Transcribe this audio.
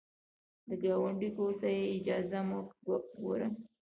د ګاونډي کور ته بې اجازې مه ګوره